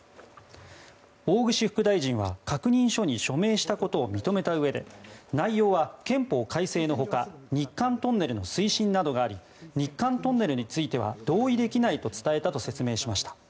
大串副大臣は確認書に署名したことを認めたうえで内容は憲法改正のほか日韓トンネルの推進などがあり日韓トンネルについては同意できないと伝えたと説明しました。